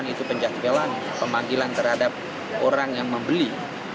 itu penjahat belan pemanggilan terhadap orang yang membeli